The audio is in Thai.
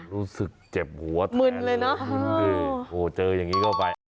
รู้สึกเจ็บหัวแทนมึนด้วยโอ้เจออย่างนี้ก็ไป